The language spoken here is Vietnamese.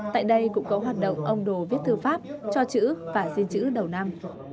tại đây cũng có hoạt động ông đồ viết thư pháp cho chữ và xin chữ đầu năm